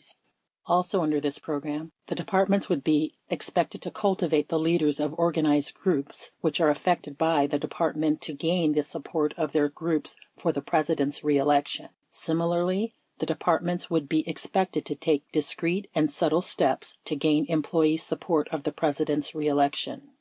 sfc Also, under this program, the Departments would be ex pected to cultivate the leaders of organized groups which are affected by the Department to gain the support of their groups for the President's reelection. Similarly, the Depart ments would be expected to take discreet and subtle steps to gain employee support of the President's reelection.